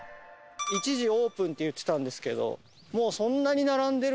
１時オープンって言ってたんですけど。